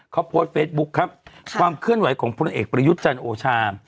เขาโพสต์เฟซบุ๊คครับความเคลื่อนไหวของพลเอกประยุทธ์จันทร์โอชา